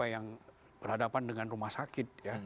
yang berhadapan dengan rumah sakit